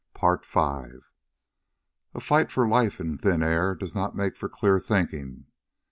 A fight for life in thin air does not make for clear thinking.